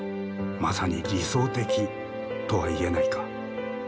まさに理想的とは言えないか。